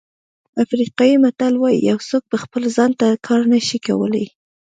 افریقایي متل وایي یو څوک په خپله ځان ته کار نه شي کولای.